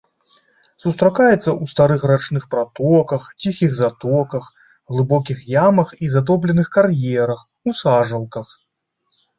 Сустракаецца ў старых рачных пратоках, ціхіх затоках, глыбокіх ямах і затопленых кар'ерах, у сажалках.